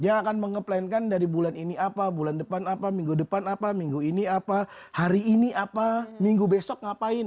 yang akan mengeplankan dari bulan ini apa bulan depan apa minggu depan apa minggu ini apa hari ini apa minggu besok ngapain